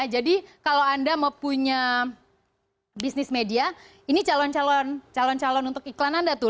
jadi kalau anda mempunyai bisnis media ini calon calon untuk iklan anda tuh